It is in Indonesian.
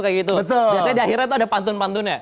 kayak gitu biasanya di akhirnya tuh ada pantun pantunnya